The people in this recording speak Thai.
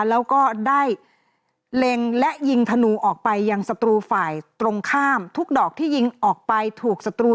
แล้วก็ได้เล็งและยิงธนูออกไปยังศัตรูฝ่ายตรงข้ามทุกดอกที่ยิงออกไปถูกศัตรู